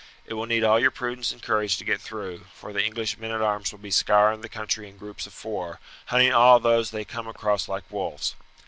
It will need all your prudence and courage to get through, for the English men at arms will be scouring the country in groups of four, hunting all those they come across like wolves.